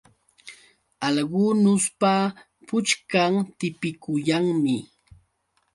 Algunuspa puchkan tipikuyanmi.